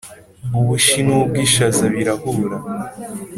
ubushi n’u bwishaza birahura